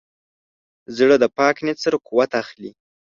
زړه د پاک نیت سره قوت اخلي.